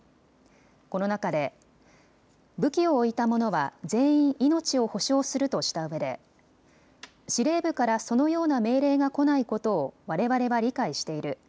この中で武器を置いたものは全員、命を保証するとしたうえで司令部からそのような命令が来ないことをわれわれは理解している。